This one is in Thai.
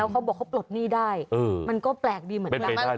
เขาบอกเขาปลดหนี้ได้มันก็แปลกดีเหมือนกัน